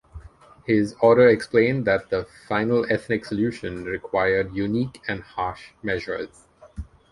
His order explained that the "final ethnic solution" required unique and harsh measures.